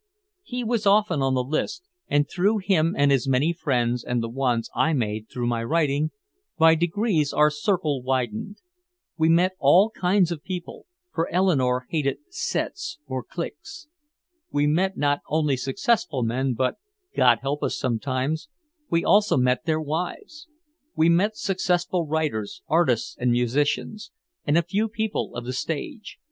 He was often on the list, and through him and his many friends and the ones I made through my writing, by degrees our circle widened. We met all kinds of people, for Eleanore hated "sets" and "cliques." We met not only successful men but (God help us sometimes) we also met their wives. We met successful writers, artists and musicians, and a few people of the stage.